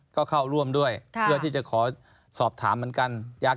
ก็เข้าร่วมด้วยเพื่อที่จะขอสอบถามเหมือนกัน